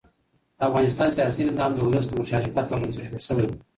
د افغانستان سیاسي نظام د ولس د مشارکت پر بنسټ جوړ شوی دی